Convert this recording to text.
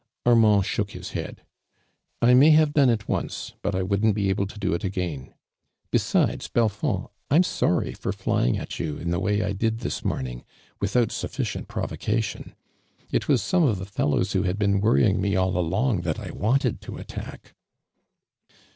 Armuiil shook his head. " 1 moy have done it once, but I wouldn't be able to do it again ! Besides, I'.elfonil, I'm forry for flying at you in the way I did this morning, without HuHicient provoiMtion. It was some of the fellows who hid been worrying uieall along that I wanted to attack."